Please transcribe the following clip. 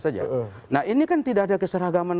saja nah ini kan tidak ada keseragaman